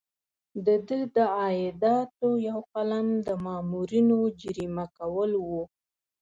د ده د عایداتو یو قلم د مامورینو جریمه کول وو.